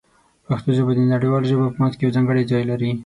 پښتو ژبه د نړیوالو ژبو په منځ کې یو ځانګړی ځای لري.